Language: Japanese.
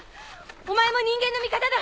お前も人間の味方だ！